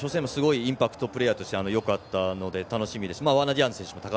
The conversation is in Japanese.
インパクトプレーヤーとしてよかったので楽しみです。